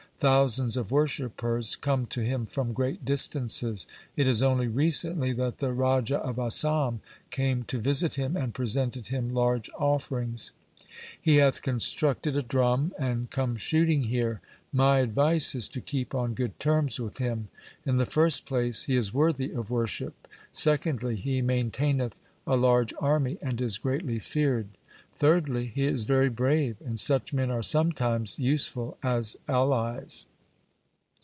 Thousands of worshippers come to him from great distances. It is only recently that the Raja of Asam came to visit him and presented him large offerings. He hath constructed a drum and come shooting here. My advice is to keep on good terms with him. In the first place, he is worthy of worship, secondly, he maintaineth a large army and is greatly feared. Thirdly, he is very brave, and such men are sometimes useful as allies.'